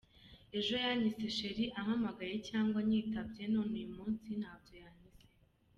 Ejo yanyise cheri ampamagaye cyangwa anyitabye none uyu munsi ntabyo yanyise.